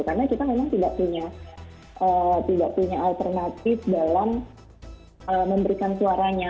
karena kita memang tidak punya alternatif dalam memberikan suaranya